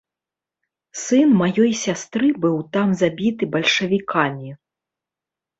Сын маёй сястры быў там забіты бальшавікамі.